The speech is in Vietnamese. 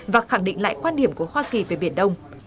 và khẳng định lại quan điểm của hoa kỳ về biển đông